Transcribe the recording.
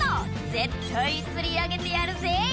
「絶対釣り上げてやるぜ！」